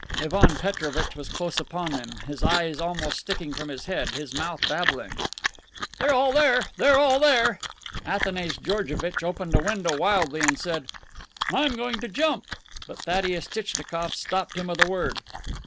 Ivan Petrovitch was close on them, his eyes almost sticking from his head, his mouth babbling: "They are there! They are there!" Athanase Georgevitch open a window wildly and said: "I am going to jump." But Thaddeus Tchitchnikofl' stopped him with a word.